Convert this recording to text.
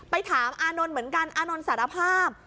ถามอานนท์เหมือนกันอานนท์สารภาพ